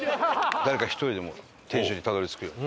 誰か１人でも天守にたどり着くように。